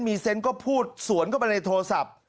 มีเซนต์ก็พูดสวนเข้าไปในโทรศัพท์